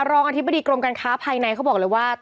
อธิบดีกรมการค้าภายในเขาบอกเลยว่า